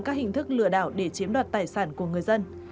các hình thức lừa đảo để chiếm đoạt tài sản của người dân